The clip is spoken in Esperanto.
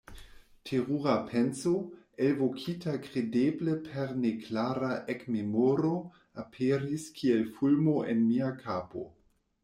Terura penso, elvokita kredeble per neklara ekmemoro, aperis kiel fulmo en mia kapo.